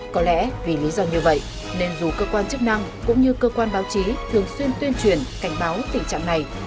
có lẽ vì lý do như vậy nên dù cơ quan chức năng cũng như cơ quan báo chí thường xuyên tuyên truyền cảnh báo tình trạng này